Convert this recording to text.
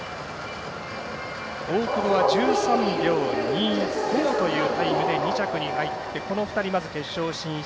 大久保は１３秒２５というタイムで２着に入ってこの２人が決勝進出。